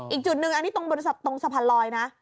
อีกจุดนึงอันนี้ตรงสะพานรอยนะ